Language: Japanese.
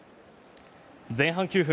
前半９分